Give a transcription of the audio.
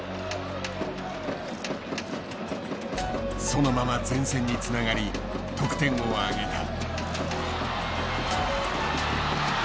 そのまま前線につながり得点をあげた。